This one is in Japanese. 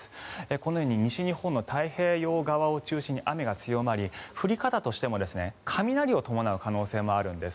このように西日本の太平洋側を中心に雨が強まり降り方としても雷を伴う可能性もあるんです。